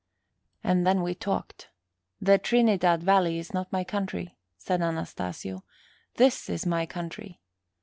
And then we talked. "The Trinidad Valley is not my country," said Anastasio; "this is my country.